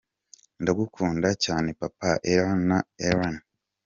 Ndagukunda cyane Papa Ella na Elan.